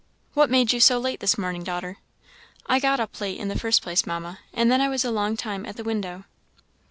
"What made you so late this morning, daughter?" "I got up late, in the first place, Mamma; and then I was a long time at the window."